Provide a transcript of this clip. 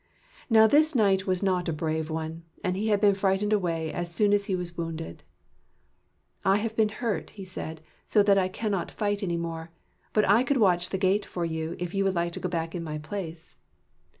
Now this knight was not a brave one, and he had been frightened away as soon as he was wounded. " I have been hurt," he said, " so that I can not fight any more. But I could watch the gate for you, if you would like to go back in my place."